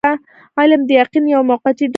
علم د یقین یو موقتي ډول دی.